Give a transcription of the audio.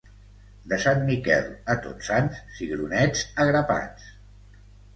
De Sant Miquel a Tots Sants cigronets a grapats.